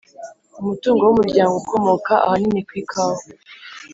Umutungo w Umuryango ukomoka ahanini ku ikawa